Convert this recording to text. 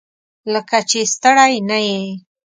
لکه چې ستړی نه یې؟